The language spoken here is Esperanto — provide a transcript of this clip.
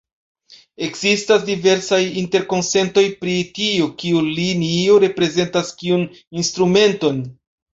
Ekzistas diversaj interkonsentoj pri tio, kiu linio reprezentas kiun instrumenton.